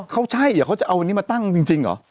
เขาใช่เหรอเขาจะเอาวันนี้มาตั้งจริงเหรอ